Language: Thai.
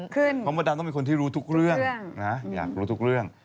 เพราะมดดำต้องเป็นคนที่รู้ทุกเรื่องนะอยากรู้ทุกเรื่อง